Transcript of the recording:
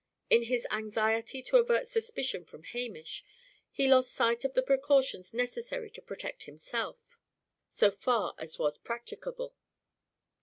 In his anxiety to avert suspicion from Hamish, he lost sight of the precautions necessary to protect himself, so far as was practicable.